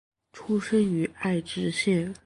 出身于爱知县。